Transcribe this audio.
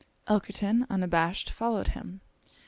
Elkerton, unabashed, followed him.